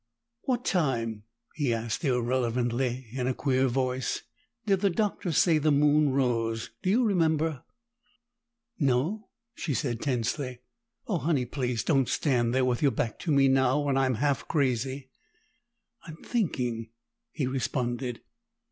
"What time," he asked irrelevantly in a queer voice, "did the Doctor say the moon rose? Do you remember?" "No," she said tensely. "Oh, Honey! Please don't stand there with your back to me now, when I'm half crazy!" "I'm thinking," he responded.